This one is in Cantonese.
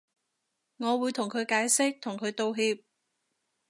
我會同佢解釋同佢道歉